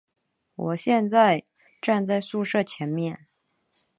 我现在站在宿舍前面